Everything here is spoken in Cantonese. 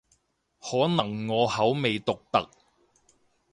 可能我口味獨特